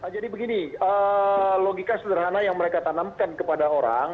jadi begini logika sederhana yang mereka tanamkan kepada orang